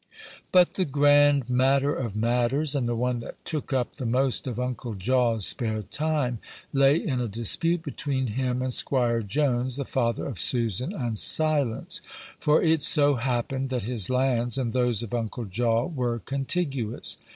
But the grand "matter of matters," and the one that took up the most of Uncle Jaw's spare time, lay in a dispute between him and 'Squire Jones, the father of Susan and Silence; for it so happened that his lands and those of Uncle Jaw were contiguous.